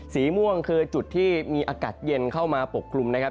สีม่วงคือจุดที่มีอากาศเย็นเข้ามาปกคลุมนะครับ